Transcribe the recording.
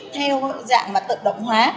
theo dạng mà tự động hóa